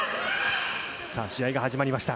さあ、試合が始まりました。